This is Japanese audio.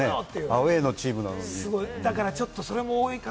アウェーのチームなのに。